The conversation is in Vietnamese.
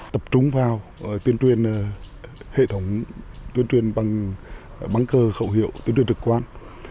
tập trung vào tuyên truyền hệ thống tuyên truyền bằng băng cờ khẩu hiệu tuyên truyền trực quan